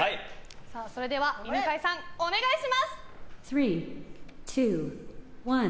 それでは犬飼さんお願いします。